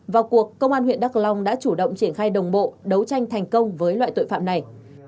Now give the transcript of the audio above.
vào cuộc công an huyện đắk long đã chủ động triển khai đồng bộ đấu tranh thành công với loại tội phạm này